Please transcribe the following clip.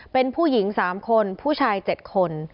เป็นผู้หญิง๓คนผู้ชาย๗คน